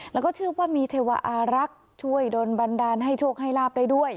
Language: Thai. แล้วก็เชื่อว่ามีเทวาอารักษ์ช่วยโดนบันดาลให้โชคให้ลาบได้ด้วย